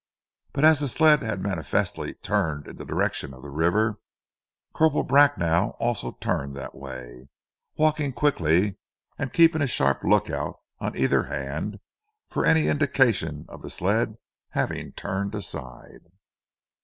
But as the sled had manifestly turned in the direction of the river, Corporal Bracknell also turned that way, walking quickly and keeping a sharp look out on either hand for any indication of the sled having turned aside.